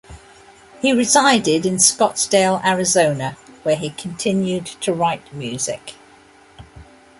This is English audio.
He resided in Scottsdale, Arizona, where he continued to write music.